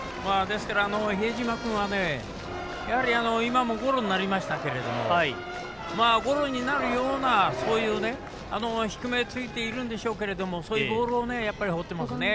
比江島君は、今もゴロになりましたけどゴロになるような低めをついているんでしょうけどそういうボールを、やっぱり放ってますね。